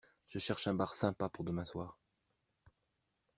Je cherche un bar sympa pour demain soir.